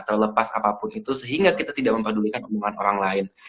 terlepas apapun itu sehingga kita tidak memperdulikan omongan orang lain